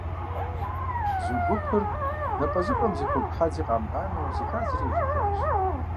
Бзу гупыр напӀэзыпӀэм зы хугу хьэдзи къамыгъанэу зэхадзри ежьэжащ.